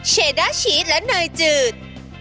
เชด้าชีสและเนยจืด